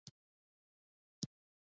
کېله د تل لپاره خوړل کېدای شي.